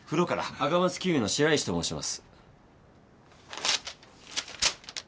赤松金融の白石と申します。